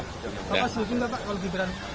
bapak setuju nggak kalau gibran